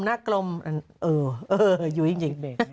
เออยุ้ยจริง